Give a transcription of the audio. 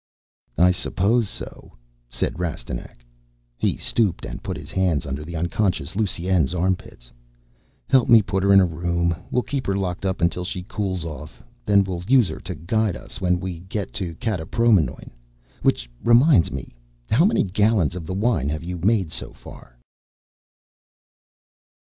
"I suppose so," said Rastignac. He stooped and put his hands under the unconscious Lusine's armpits. "Help me put her in a room. We'll keep her locked up until she cools off. Then we'll use her to guide us when we get to Kataproimnoin. Which reminds me how many gallons of the wine have you made so far?"